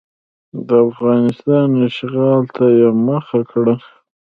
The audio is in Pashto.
د افغانستان اشغال ته یې مخه کړه.